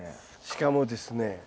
しかもですね